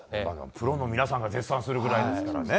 プロの皆さんが絶賛するぐらいですからね。